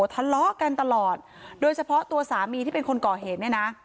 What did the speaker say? ทะเลาะกันตลอดโดยเฉพาะตัวสามีที่เป็นคนก่อเหตุเนี่ยนะ